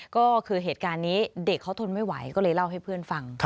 ก็คือเหตุการณ์นี้เด็กเขาทนไม่ไหวก็เลยเล่าให้เพื่อนฟัง